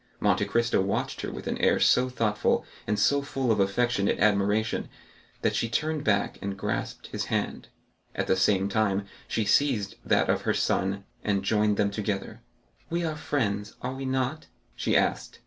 Monte Cristo watched her with an air so thoughtful, and so full of affectionate admiration, that she turned back and grasped his hand; at the same time she seized that of her son, and joined them together. "We are friends; are we not?" she asked.